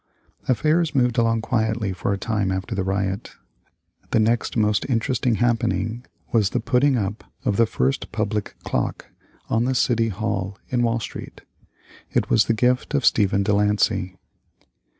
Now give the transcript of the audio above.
Affairs moved along quietly for a time after the riot. The next most interesting happening was the putting up of the first public clock, on the City Hall in Wall Street. It was the gift of Stephen De Lancey.